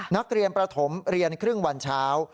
นักเรียนประถมเรียนครึ่งวันเช้า